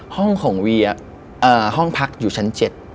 ห้องของเวียห้องพักอยู่ชั้น๗